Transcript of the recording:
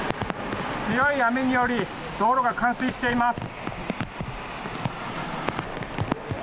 強い雨により道路が冠水しています。